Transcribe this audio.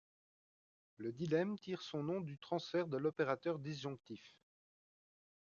Le dilemme tire son nom du transfert de l'opérateur disjonctif.